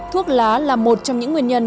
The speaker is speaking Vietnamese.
thuốc lá là một trong những nguyên nhân